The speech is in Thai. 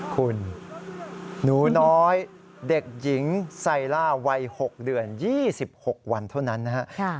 คุณหนูน้อยเด็กหญิงไซล่าวัย๖เดือน๒๖วันเท่านั้นนะฮะ